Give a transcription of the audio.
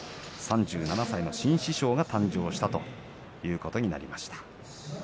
３７歳の新師匠が誕生したということになりました。